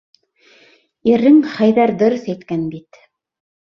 Ирең, Хәйҙәр дөрөҫ әйткән бит.